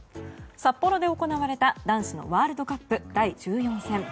札幌で行われた男子のワールドカップ第１４戦。